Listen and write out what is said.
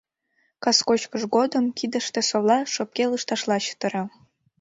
Кас кочкыш годым кидыште совла шопке лышташла чытыра.